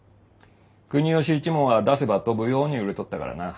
国芳一門は出せば飛ぶように売れとったからな。